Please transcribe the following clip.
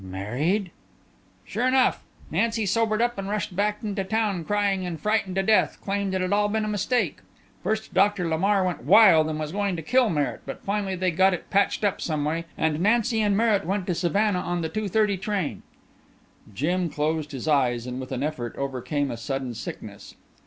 "Married?" "Sure enough. Nancy sobered up and rushed back into town, crying and frightened to death claimed it'd all been a mistake. First Doctor Lamar went wild and was going to kill Merritt, but finally they got it patched up some way, and Nancy and Merritt went to Savannah on the two thirty train." Jim closed his eyes and with an effort overcame a sudden sickness.